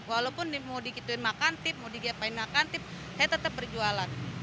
walaupun mau dikituin makan mau digapain makan saya tetap berjualan